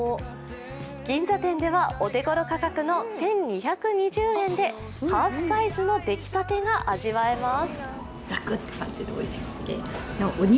銀座店ではお手ごろ価格の１２２０円でハーフサイズの出来たてが味わえます。